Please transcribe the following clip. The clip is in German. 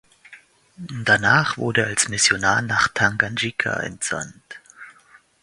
Danach wurde er als Missionar nach Tanganjika entsandt.